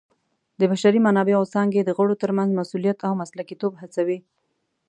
د بشري منابعو څانګې د غړو ترمنځ مسؤلیت او مسلکیتوب هڅوي.